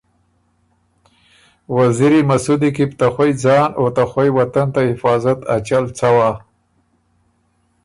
وزیری مسُودی کی بُو ته خوئ ځان او ته خوئ وطن ته حفاظت ا چل څوا۔